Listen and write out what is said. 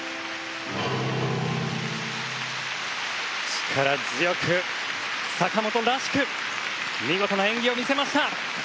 力強く坂本らしく見事な演技を見せました。